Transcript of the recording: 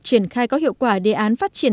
triển khai có hiệu quả đề án phát triển